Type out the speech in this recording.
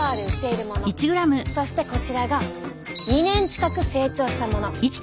そしてこちらが２年近く成長したもの。